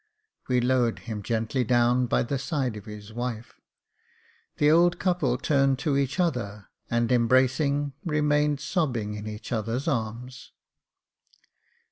We lowered him gently down by the side of his wife ; the old couple turned to each other, and embracing, remained sobbing in each other's arms.